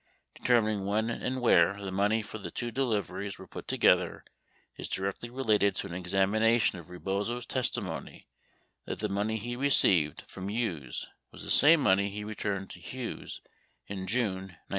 Determining when and where the money for the two deliveries was put together is directly related to an examina tion of Rebozo's testimony that the money he received from Hughes was the same money he returned to Hughes in June 1973.